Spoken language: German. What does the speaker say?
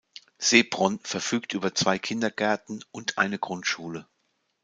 Seebronn verfügt über zwei Kindergärten und eine Grundschule.